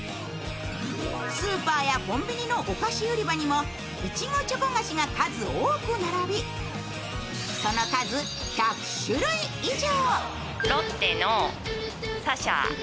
スーパーやコンビニのお菓子売り場にもいちごチョコ菓子が数多く並びその数、１００種類以上。